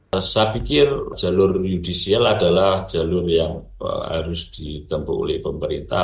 saya pikir jalur judicial adalah jalur yang harus ditempuh oleh pemerintah